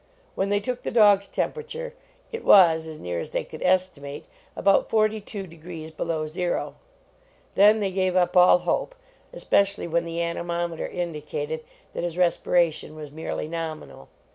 When they took the dog s temperature it was, as near as they could estimate, about forty two degrees below zero. Then they gave up all hope, especially when the anemometer indicated that his respira tion was merely nominal.